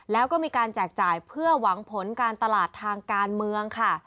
แล้วก็มีการแจกจ่ายเพื่อหวังผลการตลาดทางการเมืองค่ะ